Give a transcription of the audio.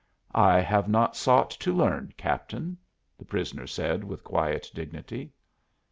"I have not sought to learn, Captain," the prisoner said with quiet dignity.